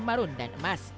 marun dan emas